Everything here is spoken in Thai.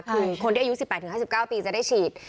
คือคนที่อายุ๑๘๕๙ปีจะได้ฉีด